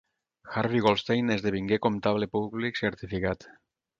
Harvey Goldstein esdevingué comptable públic certificat.